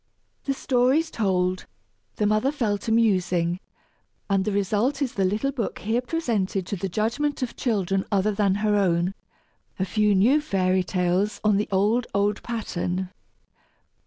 The stories told, the mother fell to musing, and the result is the little book here presented to the judgment of children other than her own a few new fairy tales, on the old, old pattern!